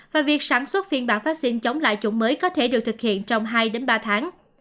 và việc sản xuất phiên bản phát sinh chống lại chủng mới có thể được thực hiện trong hai ba tháng